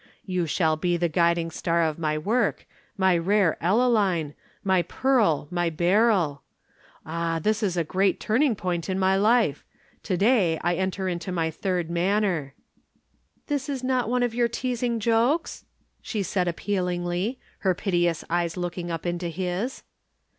You shall be the guiding star of my work, my rare Ellaline, my pearl, my beryl. Ah, this is a great turning point in my life. To day I enter into my third manner." "This is not one of your teasing jokes?" she said appealingly, her piteous eyes looking up into his.